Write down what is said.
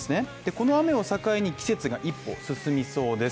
この雨を境に季節が一歩進みそうです